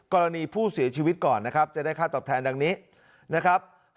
กรณีผู้เสียชีวิตก่อนนะครับจะได้ค่าตอบแทนดังนี้นะครับ